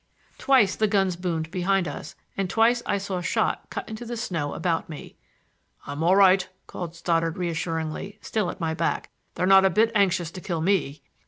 Twice the guns boomed behind us, and twice I saw shot cut into the snow about me. "I'm all right," called Stoddard reassuringly, still at my back. "They're not a bit anxious to kill me."